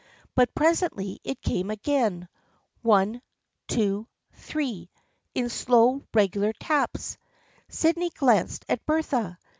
But presently it came again, one — two — three — in slow regular taps. Sydney glanced at Bertha.